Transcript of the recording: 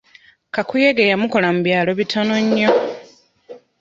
Kakuyege yamukola mu byalo bitono nnyo.